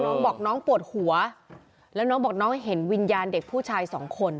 น้องบอกน้องปวดหัวแล้วน้องบอกน้องเห็นวิญญาณเด็กผู้ชายสองคน